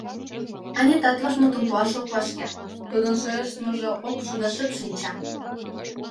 Анитат вашмутым пуаш ок вашке — тудын шойыштмыжо ок шу да шып шинча.